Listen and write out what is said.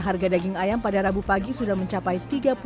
harga daging ayam pada rabu pagi sudah mencapai